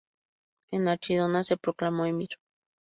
En Archidona se proclamó emir.